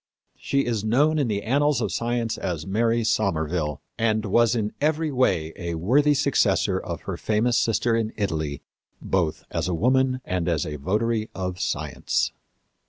She is known in the annals of science as Mary Somerville, and was in every way a worthy successor of her famous sister in Italy, both as a woman and as a votary of science.